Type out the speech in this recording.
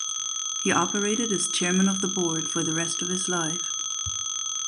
He operated as chairman of the board for the rest of his life.